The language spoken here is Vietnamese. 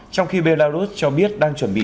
trong khi belarus cho biết đang chuẩn bị